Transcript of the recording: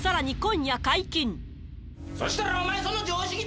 そしたらお前、そんな常識と